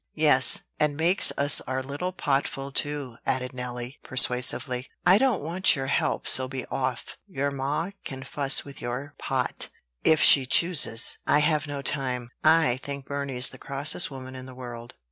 "Yes; and makes us our little potful too," added Nelly, persuasively. "I don't want your help; so be off. Your ma can fuss with your pot, if she chooses. I've no time." "I think Burney's the crossest woman in the world.